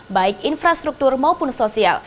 baik infrastruktur maupun sosial